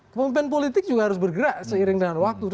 pemimpin politik juga harus bergerak seiring dengan waktu